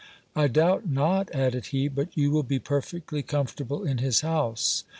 I doubt not, added he, but you will be perfectly comfortable in his house.